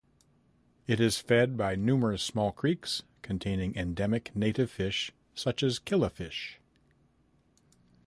It is fed by numerous small creeks containing endemic native fish such as killifish.